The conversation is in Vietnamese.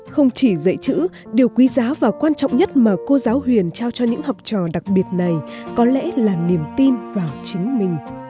không chỉ dạy chữ điều quý giá và quan trọng nhất mà cô giáo huyền trao cho những học trò đặc biệt này có lẽ là niềm tin vào chính mình